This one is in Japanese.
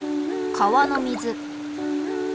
川の水。